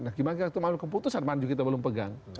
nah gimana kita mau keputusan manjur kita belum pegang